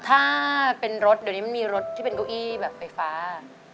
ถ้าเป็นรถเดี๋ยวนี้มันมีรถที่เป็นเก้าอี้แบบไฟฟ้า